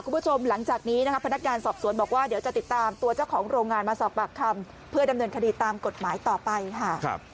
หลังจากนี้นะคะพนักงานสอบสวนบอกว่าเดี๋ยวจะติดตามตัวเจ้าของโรงงานมาสอบปากคำเพื่อดำเนินคดีตามกฎหมายต่อไปค่ะ